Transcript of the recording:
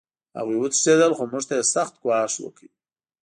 هغوی وتښتېدل خو موږ ته یې سخت ګواښ وکړ